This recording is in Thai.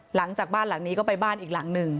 หลังจากบ้านหลังนี้ก็ไปบ้านอีกหลังหนึ่ง